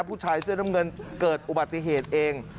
ผู้ชายเสื้อน้ำเงินเกิดอุบัติเหตุเอง